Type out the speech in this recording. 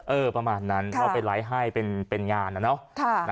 ประมาณนั้นเอาไปไลค์ให้เป็นงานนะเนาะ